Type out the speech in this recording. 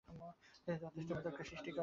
তিনি যথেষ্ট বিতর্কের সৃষ্টি করেন।